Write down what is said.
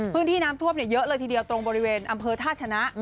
พื้นที่น้ำท่วมเยอะเลยทีเดียวตรงบริเวณอำเภอท่าชนะ